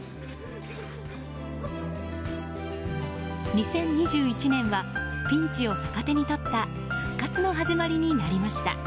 ２０２１年はピンチを逆手に取った復活の始まりになりました。